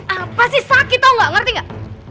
apa sih sakit tau gak ngerti gak